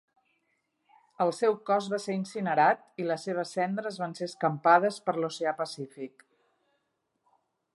El seu cos va ser incinerat i les seves cendres van ser escampades per l'oceà Pacífic.